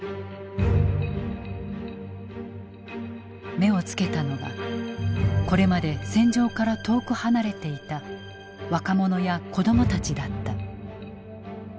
目をつけたのがこれまで戦場から遠く離れていた若者や子供たちだった。